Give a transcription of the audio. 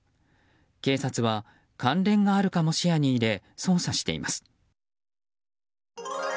警察は関連があるかも視野に入れ捜査しています。